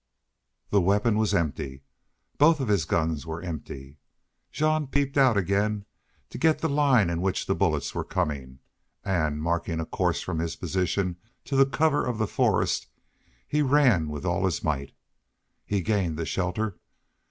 The weapon was empty. Both of his guns were empty. Jean peeped out again to get the line in which the bullets were coming and, marking a course from his position to the cover of the forest, he ran with all his might. He gained the shelter.